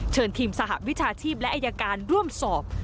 ทีมสหวิชาชีพและอายการร่วมสอบ